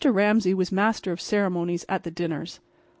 Ramsay was master of ceremonies at the dinners.